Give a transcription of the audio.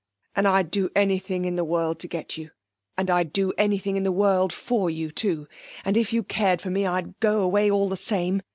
'And I'd do anything in the world to get you. And I'd do anything in the world for you, too. And if you cared for me I'd go away all the same.